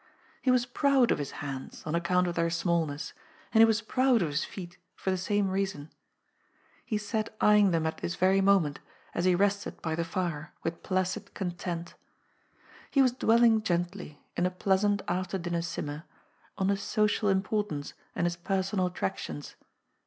He was proud of his hands, on account of their small ness, and he was proud of his feet for the same reason. He 180 aOD'S FOOL. sat eyeing them at this very moment, as he rested hy the fire, with placid content He was dwelling gently — in a pleasant after dinner simmer — on his social importance and his personal attractions.